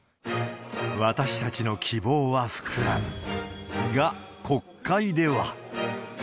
私たちの希望は膨らむが、国会では。